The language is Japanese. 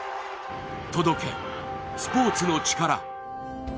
「届け、スポーツのチカラ」。